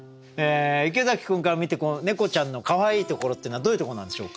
池崎君から見て猫ちゃんのかわいいところっていうのはどういうとこなんでしょうか？